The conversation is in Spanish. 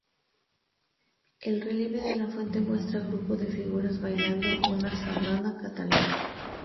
El relieve de la fuente muestra un grupo de figuras bailando una sardana catalana.